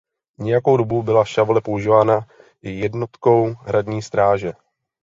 Nějakou dobu byla šavle používána i jednotkou hradní stráže.